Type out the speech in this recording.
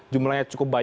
jumlahnya cukup besar